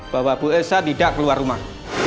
bahwa bu elsa tidak keluar rumah